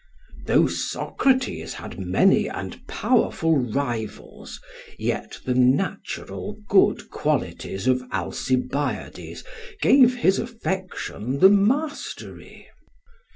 Though Socrates had many and powerful rivals, yet the natural good qualities of Alcibiades gave his affection the mastery.